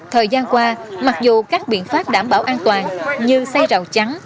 thời gian qua mặc dù các biện pháp đảm bảo an toàn như say rào chắn